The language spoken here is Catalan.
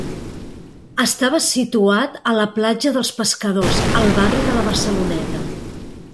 Estava situat a la Platja dels Pescadors, al barri de la Barceloneta.